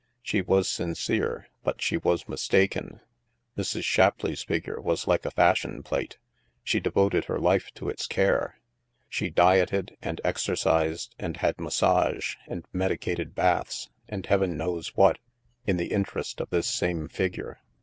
She was sincere, but she was mistaken. Mrs. Shapleigh's figure was like a fashion plate; she de voted her life to its care. She dieted, and exer cised, and had massage, and medicated baths, and heaven knows what, in the interest of this same figure.